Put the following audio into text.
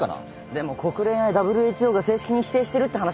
でも国連やＷＨＯが正式に否定してるって話だろ。